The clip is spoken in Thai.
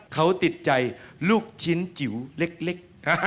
เขาติดใจลูกชิ้นจิ๋วเล็ก